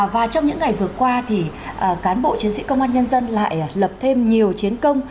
và trong những ngày vừa qua thì cán bộ chiến sĩ công an nhân dân lại lập thêm nhiều chiến công